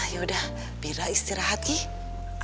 yaudah bira istirahat yuk